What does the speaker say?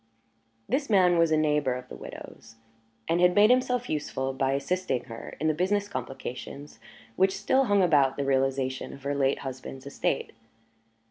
This man was a neighbour of the widow's and had made himself useful by assisting her in the business complications which still hung about the realization of her late husband's estate.